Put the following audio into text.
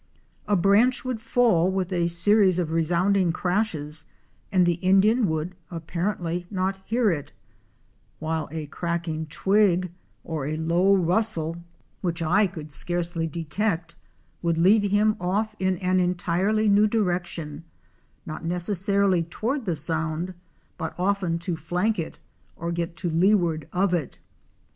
A branch would fall with a series of resounding crashes and the Indian would apparently not hear it, while a cracking twig or a low rustle 318 OUR SEARCH FOR A WILDERNESS. which I could scarcely detect would lead him off in an entirely new direction, not necessarily toward the sound, but often to flank it or get to leeward of it.